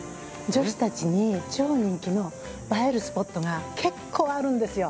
女子たちに超人気の映えるスポットが結構あるんですよ。